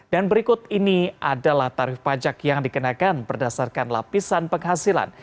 dan berikut ini adalah tarif pajak yang dikenakan berdasarkan lapisan penghasilan